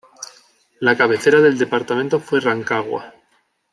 La cabecera del departamento fue Rancagua.